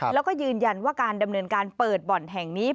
แล้วก็ยืนยันว่าการดำเนินการเปิดบ่อนแห่งนี้